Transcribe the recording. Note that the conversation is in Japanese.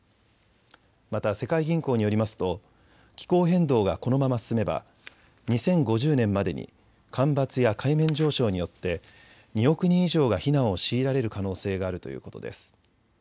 また世界銀行によりますと気候変動がこのまま進めば２０５０年までに干ばつや海面上昇によって２億人以上が避難を強いられる可能性があるということです。